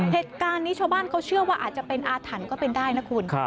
เหตุการณ์นี้ชาวบ้านเขาเชื่อว่าอาจจะเป็นอาถรรพ์ก็เป็นได้นะคุณ